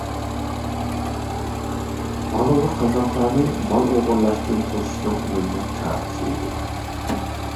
مانا بۇ قازاقلارنى مال ئوغرىلاشتىن توسۇشنىڭ ئۈنۈملۈك چارىسى ئىدى.